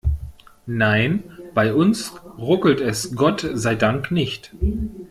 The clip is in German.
Nein, bei uns ruckelt es Gott sei Dank nicht.